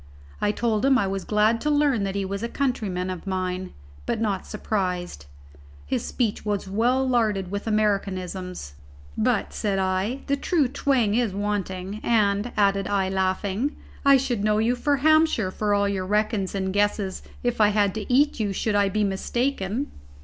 I told him I was glad to learn that he was a countryman of mine, but not surprised. His speech was well larded with americanisms, "but," said I, "the true twang is wanting, and," added I, laughing, "I should know you for Hampshire for all your reckons and guesses if I had to eat you should I be mistaken."